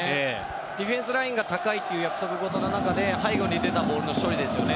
ディフェンスラインが高いという約束事の中で背後に出たボールの勝利ですよね。